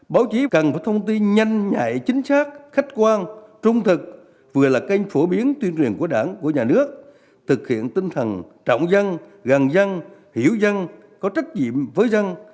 báo chí cần phải thông tin nhanh nhạy chính xác khách quan trung thực vừa là kênh phổ biến tuyên truyền của đảng của nhà nước thực hiện tinh thần trọng dân gần dân hiểu dân có trách nhiệm với dân